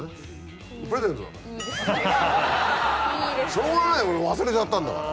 しょうがないよ俺忘れちゃったんだから。